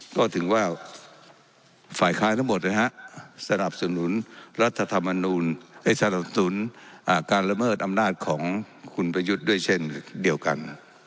ก็ถึงว่าฝ่ายค้างทั้งหมดนะฮะสนับสนุนการละเมิดอำนาจของคุณประยุทธ์ด้วยเช่นเดียวกัน